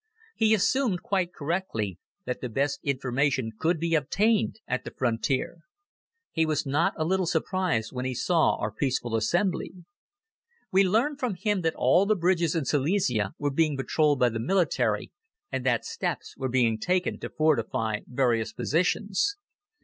He assumed, quite correctly, that the best information could be obtained at the frontier. He was not a little surprised when he saw our peaceful assembly. We learned from him that all the bridges in Silesia were being patrolled by the military and that steps were being taken to fortify various positions.